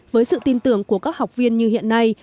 với sự tin tưởng của các học viên như hiện nay